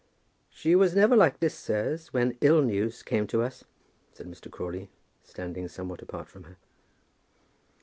"She was never like this, sirs, when ill news came to us," said Mr. Crawley, standing somewhat apart from her.